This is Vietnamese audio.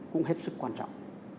cũng hết sức quan trọng